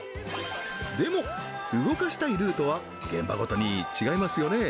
でも動かしたいルートは現場ごとに違いますよね